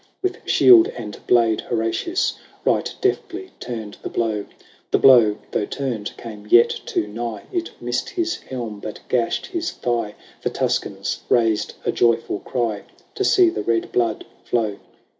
With shield and blade Horatius Right deftly turned the blow. The blow, though turned, came yet too nigh ; It missed his helm, but gashed his thigh : The Tuscans raised a joyful cry To see the red blood flow.